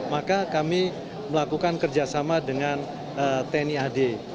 maka kami melakukan kerjasama dengan tni ad